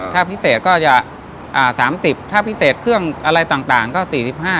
ถ้าพิเศษก็จะอ่าสามสิบถ้าพิเศษเครื่องอะไรต่างต่างก็สี่สิบห้า